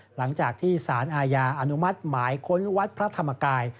หลังจากที่สารอาญาอนุมัติหมายค้นวัดพระธรรมกาย